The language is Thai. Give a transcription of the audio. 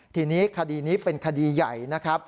ทีนี้คดีนี้เป็นคดีใหญ่นะครับ